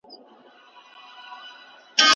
ارغنداب سیند د کندهار د ژوند لیکه بلل کېږي.